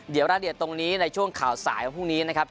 เดี๋ยวรายละเอียดตรงนี้ในช่วงข่าวสายพรุ่งนี้นะครับ